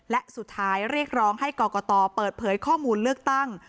และสุดท้ายเรียกร้องให้กรกตเปิดเผยข้อมูลเลือกตั้ง